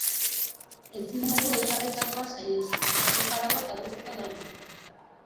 Ezin dugu ezarritakoa saihestu, joko-arauak adostuta daude.